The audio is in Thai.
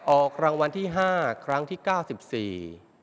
ออกรางวัลที่ห้าครั้งที่เก้าสิบสี่